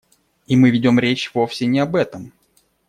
И мы ведем речь вовсе не об этом.